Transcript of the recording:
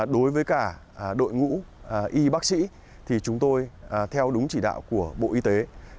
đối với cả đội ngũ y bác sĩ thì chúng tôi theo đúng chỉ đạo của bộ y tế